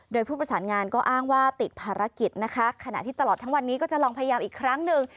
โดยผู้ประสานงานก็อ้างว่าติดภารกิจนะคะขณะที่ตลอดทั้งวันนี้ก็จะลองพยายามอีกครั้งหนึ่ง